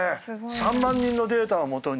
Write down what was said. ３万人のデータを基に。